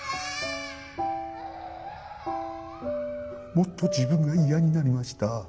もっと自分が嫌になりました。